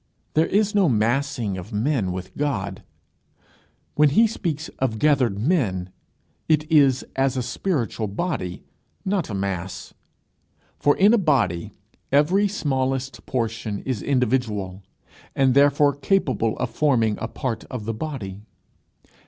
There is no massing of men with God. When he speaks of gathered men, it is as a spiritual body, not a mass. For in a body every smallest portion is individual, and therefore capable of forming a part of the body.